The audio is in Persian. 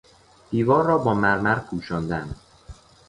دیوار را با مرمر پوشاندن